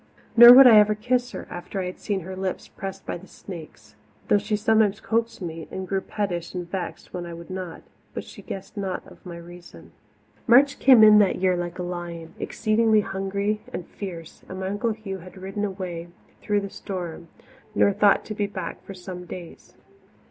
Nor would I ever kiss her, after I had seen her lips pressed by the snake's, though she sometimes coaxed me, and grew pettish and vexed when I would not; but she guessed not my reason. March came in that year like a lion, exceedingly hungry and fierce, and my Uncle Hugh had ridden away through the storm nor thought to be back for some days.